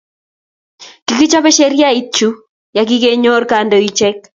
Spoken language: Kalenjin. Kikichope sheriyait chu yakikakenyor kendochike.